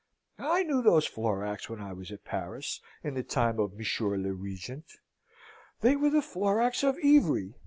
I knew those Floracs when I was at Paris, in the time of Monsieur le Regent. They were of the Floracs of Ivry.